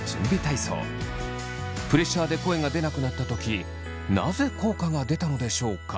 プレッシャーで声が出なくなったときなぜ効果が出たのでしょうか？